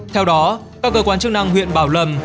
theo đó các cơ quan chức năng huyện bảo lâm